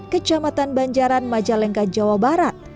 kecamatan banjaran majalengka jawa barat